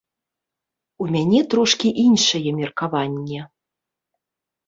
У мяне трошкі іншае меркаванне.